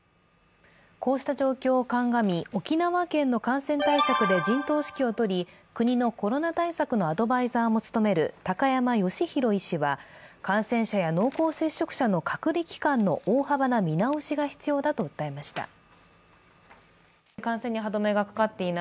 こうした状況を鑑み、沖縄県の感染対策で陣頭指揮をとり、国のコロナ対策のアドバイザーも務める高山義浩医師は、感染者や濃厚接触者の隔離期間の大幅な見直しが必要だと訴えました。